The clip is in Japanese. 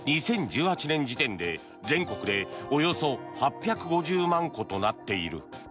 ２０１８年時点で全国でおよそ８５０万戸となっている。